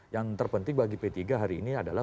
yang terpenting bagi p tiga adalah